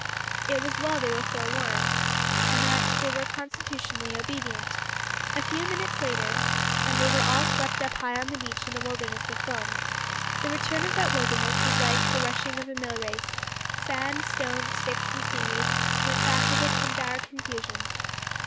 It was well they were forewarned, and that they were constitutionally obedient. A few minutes later, and they were all swept up high on the beach in a wilderness of foam. The return of that wilderness was like the rushing of a millrace. Sand, stones, sticks, and seaweed went back with it in dire confusion.